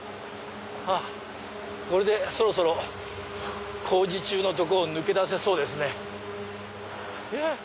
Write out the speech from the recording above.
これでそろそろ工事中のとこを抜け出せそうですね。